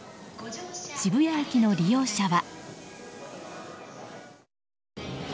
渋谷駅の利用者は。